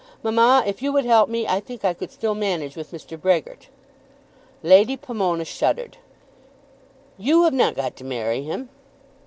Mamma, if you would help me I think I could still manage with Mr. Brehgert." Lady Pomona shuddered. "You have not got to marry him."